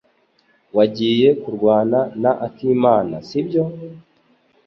Wagiye kurwana na akimana, sibyo?